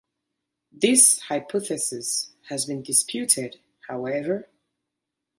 This hypothesis has been disputed, however.